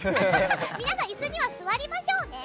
皆さん椅子には座りましょうね！